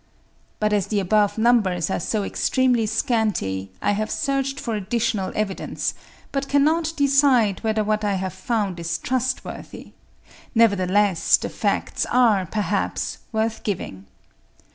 But as the above numbers are so extremely scanty, I have searched for additional evidence, but cannot decide whether what I have found is trustworthy; nevertheless the facts are, perhaps, worth giving.